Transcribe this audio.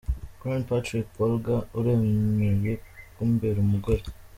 Ryan Patrick Bolger uremeye kumbera umugore?".